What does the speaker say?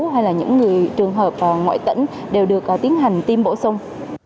hay những người trường hợp ngoại tỉnh đều được tiến hành tiêm bổ sung